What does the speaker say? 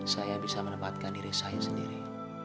saya bisa menempatkan diri saya sendiri